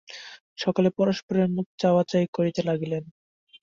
সকলে পরস্পরের মুখ চাওয়াচাওয়ি করিতে লাগিলেন।